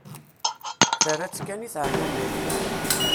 Terra-tt kan i tɛellumin.